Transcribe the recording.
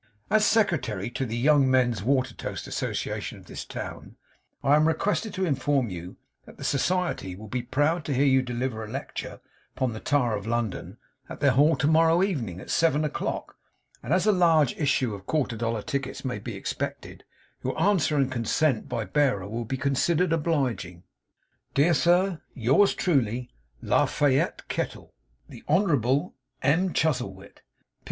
'As secretary to the Young Men's Watertoast Association of this town, I am requested to inform you that the Society will be proud to hear you deliver a lecture upon the Tower of London, at their Hall to morrow evening, at seven o'clock; and as a large issue of quarter dollar tickets may be expected, your answer and consent by bearer will be considered obliging. 'Dear Sir, 'Yours truly, 'LA FAYETTE KETTLE. 'The Honourable M. Chuzzlewit.